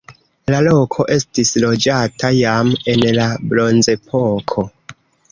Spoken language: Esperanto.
La loko estis loĝata jam en la bronzepoko.